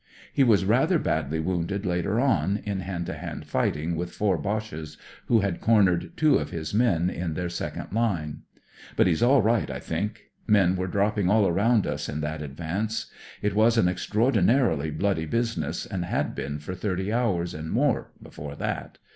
He was rather badly wounded later on, in hand to hand fighting with four Boches who had cornered two of his men, in their second line. But he's all right, I think. Men were dropping all round us in that advance. It was an extraordinarily bloody business, and had been for thirty hours and more before that.